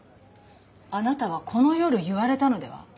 あなたはこの夜言われたのでは？